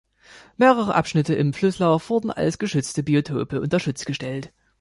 Mehrere Abschnitte im Flusslauf wurden als Geschützte Biotope unter Schutz gestellt.